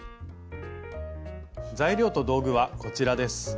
材料と道具はこちらです。